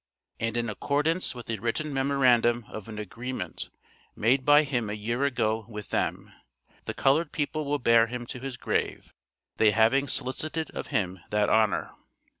and in accordance with a written memorandum of an agreement made by him a year ago with them, the colored people will bear him to his grave, they having solicited of him that honor.